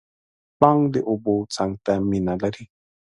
پړانګ د اوبو څنګ ته مینه لري.